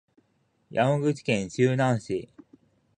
山口県周南市